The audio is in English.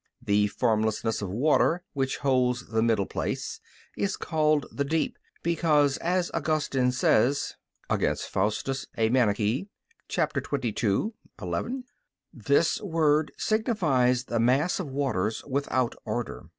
The formlessness of water, which holds the middle place, is called the "deep," because, as Augustine says (Contr. Faust. xxii, 11), this word signifies the mass of waters without order.